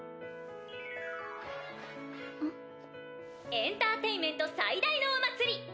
エンターテインメント最大のお祭り！